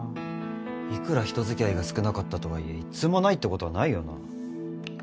いくら人付き合いが少なかったとはいえ１通もないってことはないよな。